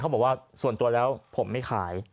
บอกว่าส่วนตัวแล้วผมไม่ขาย